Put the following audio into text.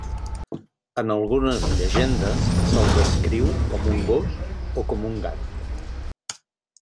En algunes llegendes se'l descriu com un gos o com un gat.